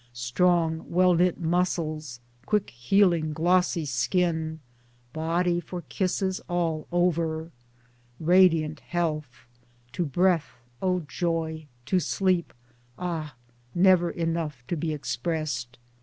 Strong well knit muscles, quick healing glossy skin, body for kisses all over ! Radiant health ! to breathe, O joy ! to sleep, ah ! never enough to be expressed